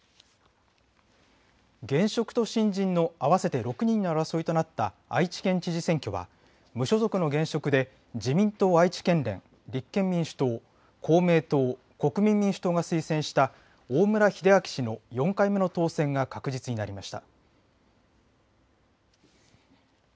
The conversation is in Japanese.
現職と新人の合わせて６人の争いとなった愛知県知事選挙は無所属の現職で自民党愛知県連立憲民主党公明党、国民民主党が推薦した大村秀章氏の４回目の当選が確実になりました。